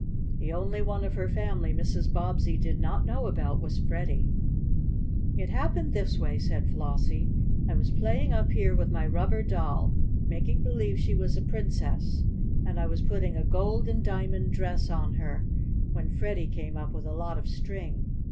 The only one of her family Mrs. Bobbsey did not know about was Freddie. "It happened this way," said Flossie. "I was playing up here with my rubber doll, making believe she was a princess, and I was putting a gold and diamond dress on her, when Freddie came up with a lot of string.